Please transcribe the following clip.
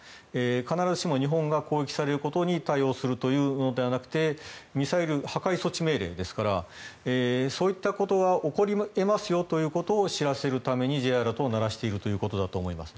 必ずしも日本が攻撃されることに対応するというのではなくてミサイル破壊措置命令ですからそういったことが起こり得ますよということを知らせるためにＪアラートを鳴らしているということだと思います。